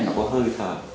nó có hơi thở